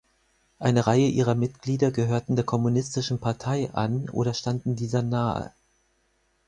Eine Reihe ihrer Mitglieder gehörten der Kommunistischen Partei an, oder standen dieser nahe.